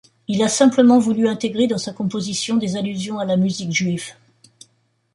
Il a simplement voulu intégrer dans sa composition des allusions à la musique juive.